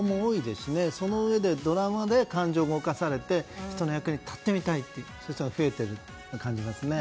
そのうえでドラマで感情を動かされて人の役に立ってみたいという人が増えていると感じますね。